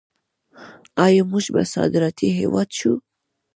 آیا موږ به صادراتي هیواد شو؟